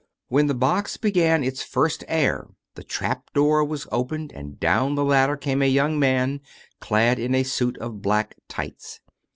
Whto the box began its first air the trapdoor was opened and down the ladder came a young man clad in a suit of black tights.